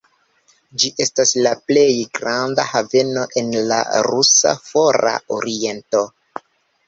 Ĝi estas la plej granda haveno en la rusa Fora Oriento.